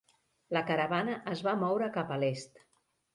La caravana es va moure cap a l'est.